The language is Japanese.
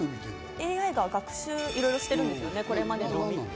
ＡＩが学習してるんですよね、これまでの。